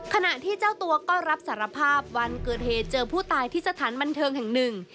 ขณะที่เจ้าตัวก็รับสารภาพวันเกิดเหตุเจอผู้ตายที่สถานบันเทิงแห่งหนึ่ง